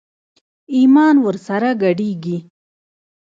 ايمان ور سره ګډېږي.